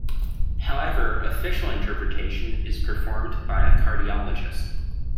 However, "official" interpretation is performed by a cardiologist.